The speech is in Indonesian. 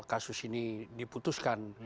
kasus ini diputuskan